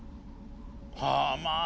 はあまあ